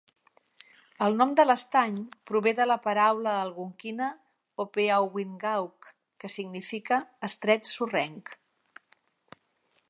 El nom de l'estany prové de la paraula algonquina "opeauwingauk" que significa "estret sorrenc".